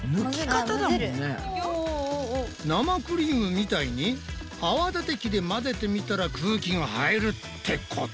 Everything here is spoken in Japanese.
生クリームみたいに泡立て器で混ぜてみたら空気が入るってこと？